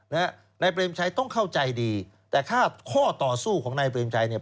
นายเบรมชัยต้องเข้าใจดีแต่ข้อต่อสู้ของนายเบรมชัย